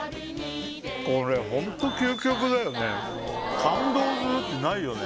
これホント究極だよね